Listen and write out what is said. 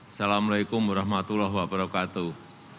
assalamualaikum warahmatullahi wabarakatuh